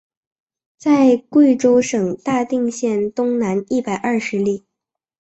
在贵州省大定县东南一百二十里。